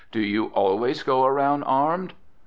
"Do you always go around armed?"